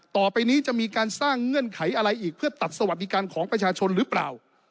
ต่อไปนี้จะมีการสร้างเงื่อนไขอะไรอีกเพื่อตัดสวัสดิการของประชาชนหรือเปล่า